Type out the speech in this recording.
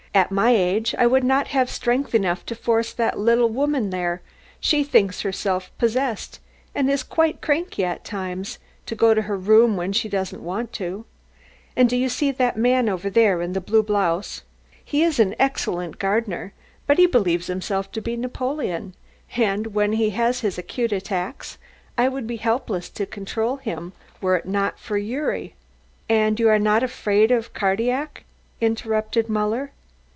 At my age I would not have strength enough to force that little woman there she thinks herself possessed and is quite cranky at times to go to her own room when she doesn't want to. And do you see that man over there in the blue blouse? He is an excellent gardener but he believes himself to be Napoleon, and when he has his acute attacks I would be helpless to control him were it not for Gyuri." "And you are not afraid of Cardillac?" interrupted Muller.